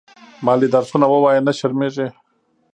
مالې درسونه ووايه نه شرمېږې.